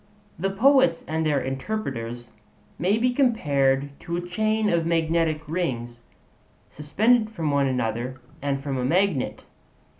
The poets and their interpreters may be compared to a chain of magnetic rings suspended from one another, and from a magnet.